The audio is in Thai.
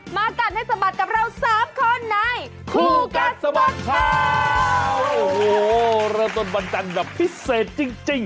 มาการให้สบัดกับเรา๓คนในคู่กัดสบัดข่าวโอ้โหเริ่มต้นบันดันแบบพิเศษจริง